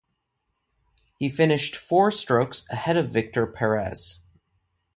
He finished four strokes ahead of Victor Perez.